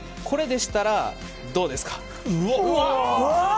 これでしたら、どうですか？